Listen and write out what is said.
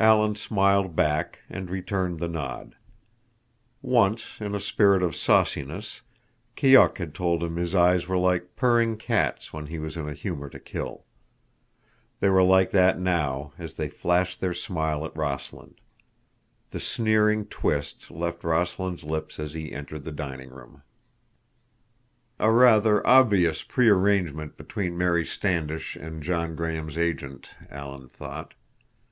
Alan smiled back and returned the nod. Once, in a spirit of sauciness, Keok had told him his eyes were like purring cats when he was in a humor to kill. They were like that now as they flashed their smile at Rossland. The sneering twist left Rossland's lips as he entered the dining room. A rather obvious prearrangement between Mary Standish and John Graham's agent, Alan thought.